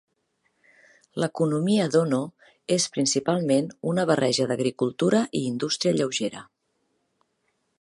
L'economia d'Ono és principalment una barreja d'agricultura i indústria lleugera.